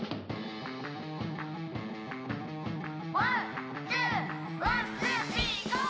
「ワンツーワンツースリーＧＯ！」